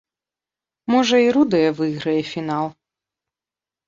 Можа, і рудая выйграе фінал.